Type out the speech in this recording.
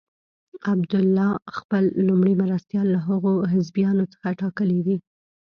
عبدالله خپل لومړی مرستیال له هغو حزبیانو څخه ټاکلی دی.